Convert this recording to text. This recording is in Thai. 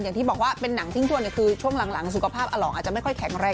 อย่างที่บอกว่าเป็นหนังทิ้งทวนคือช่วงหลังสุขภาพอลองอาจจะไม่ค่อยแข็งแรง